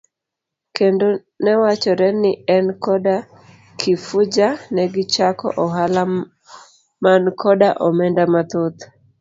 Kendo newachore ni en koda Kifuja negichako ohala man koda omenda mathoth.